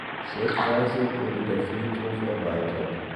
Schrittweise wurde der Friedhof erweitert.